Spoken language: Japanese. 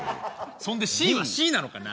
そんでＣはＣなのかな？